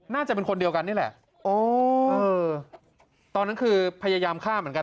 น่าจะเป็นคนเดียวกันนี่แหละอ๋อเออตอนนั้นคือพยายามฆ่าเหมือนกัน